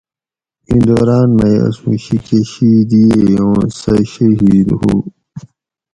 اِیں دوراۤن مئی اسوں شِیکہ شِید ییئے اوں سہ شہید ہُو